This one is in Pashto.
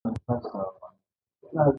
د دې پرمختللو وسایلو له لارې مهم کارونه کیږي.